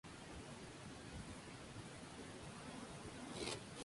Le gusta el pacharán con Sprite y los macarrones con tomate.